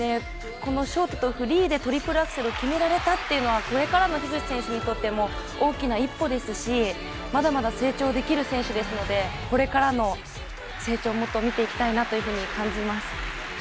このショートとフリーでトリプルアクセルを決められたというのは、これからの樋口選手にとって大きな一歩ですし、まだまだ成長できる選手ですしこれからの成長をもっと見ていきたいと感じます。